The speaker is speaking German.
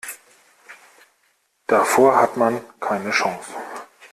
Davor hat man keine Chance.